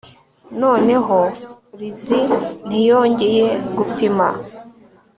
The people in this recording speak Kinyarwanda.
Noneho Lizzie ntiyongeye gupima